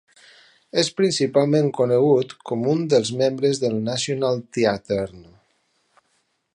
És principalment conegut com un dels membres de Nationalteatern.